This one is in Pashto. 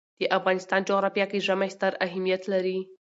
د افغانستان جغرافیه کې ژمی ستر اهمیت لري.